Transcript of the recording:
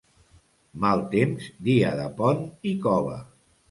Mal temps, dia de pont i cova.